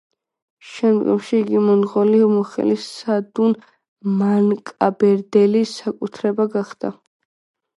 შემდგომში იგი მონღოლი მოხელის სადუნ მანკაბერდელის საკუთრება გახდა.